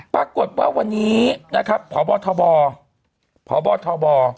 ปรากฏว่าวันนี้นะครับพบทบพบทบ